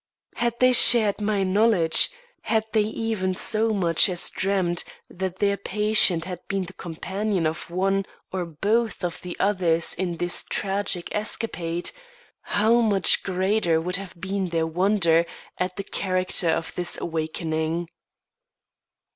Had they shared my knowledge had they even so much as dreamed that their patient had been the companion of one or both of the others in this tragic escapade how much greater would have been their wonder at the character of this awakening.